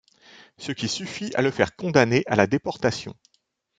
Ce qui suffit à le faire condamner à la déportation.